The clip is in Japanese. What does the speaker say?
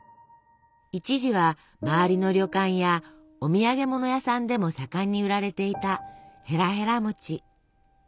一時は周りの旅館やお土産物屋さんでも盛んに売られていたへらへら餅。